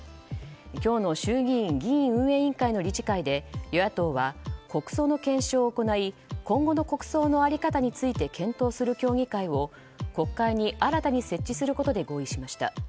今日の衆議院議院運営委員会の理事会で与野党は国葬の検証を行い今後の国葬の在り方について検討する協議会を国会に新たに設置することで合意しました。